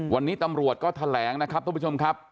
วันนี้ตำรวจก็แถลงนะครับทุกผู้ชมครับ